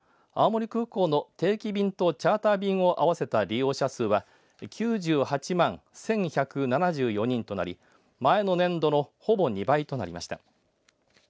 県交通政策課のまとめによりますと青森空港の定期便とチャーター便を合わせた利用者数は９８万１１７４人となり前の年度のほぼ２倍となりました。